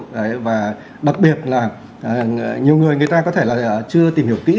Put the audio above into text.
đấy và đặc biệt là nhiều người người ta có thể là chưa tìm hiểu kỹ